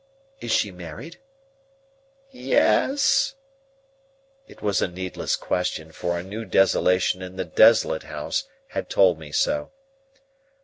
Is she married?" "Yes." It was a needless question, for a new desolation in the desolate house had told me so.